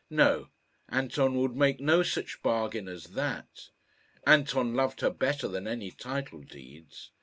No; Anton would make no such bargain as that! Anton loved her better than any title deeds.